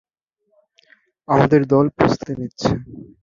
আমাদের দল প্রস্তুতী নিচ্ছে।